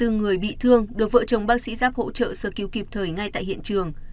hai mươi người bị thương được vợ chồng bác sĩ giáp hỗ trợ sơ cứu kịp thời ngay tại hiện trường